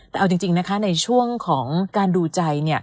แต่เอาจริงนะคะในช่วงของการดูใจ